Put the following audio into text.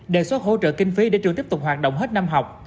đề xuất hỗ trợ kinh phí để trường tiếp tục hoạt động hết năm học